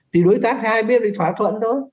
thì đối tác hai biết phải thỏa thuận thôi